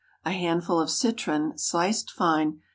A handful of citron sliced fine.